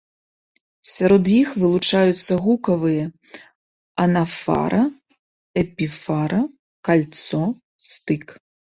Сярод іх вылучаюцца гукавая анафара, эпіфара, кальцо, стык.